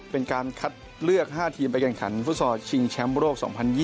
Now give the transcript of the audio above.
เป็นการคัดเลือก๕ทีมไปแข่งขันฟุตซอลชิงแชมป์โลก๒๐๒๐